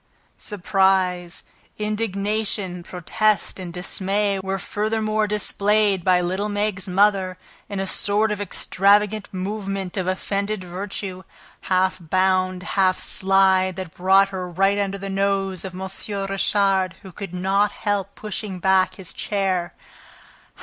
Surprise, indignation, protest and dismay were furthermore displayed by little Meg's mother in a sort of extravagant movement of offended virtue, half bound, half slide, that brought her right under the nose of M. Richard, who could not help pushing back his chair.